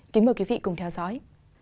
kính mời quý vị cùng theo dõi